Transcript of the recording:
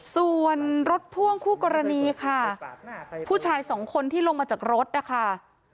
ส่วนรถพ่วงคู่กรณีค่ะผู้ชายสองคนที่ลงมาจากรถนะคะ